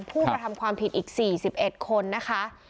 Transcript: ผู้กระทำความผิดอีก๔๑คนนะคะ